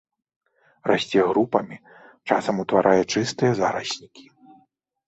Расце групамі, часам утварае чыстыя зараснікі.